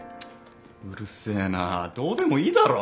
うるせえなぁどうでもいいだろ！